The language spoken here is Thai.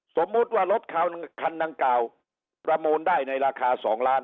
สมมุติว่ารถคันดังกล่าวประมูลได้ในราคา๒ล้าน